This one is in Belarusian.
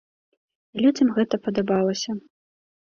І людзям гэта падабалася.